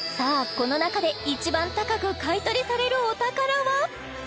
この中で一番高く買い取りされるお宝は？